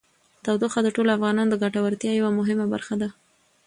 تودوخه د ټولو افغانانو د ګټورتیا یوه مهمه برخه ده.